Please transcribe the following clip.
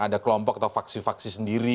ada kelompok atau faksi faksi sendiri